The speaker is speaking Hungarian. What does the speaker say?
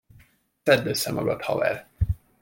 Szedd össze magad, haver.